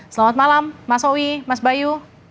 selamat malam mas owi mas bayu